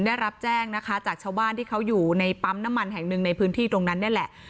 ได้รับแจ้งนะคะจากชาวบ้านที่เขาอยู่ในปั๊มน้ำมันแห่งหนึ่งในพื้นที่ตรงนั้นนี่แหละ